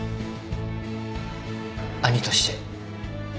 兄として。